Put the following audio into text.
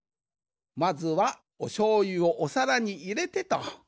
まずはおしょうゆをおさらにいれてと。